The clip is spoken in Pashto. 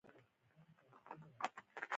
زه د پرون راهيسې پسې ګرځم